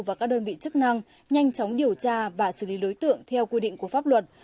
và các đơn vị chức năng nhanh chóng điều tra và xử lý đối tượng theo quy định của pháp luật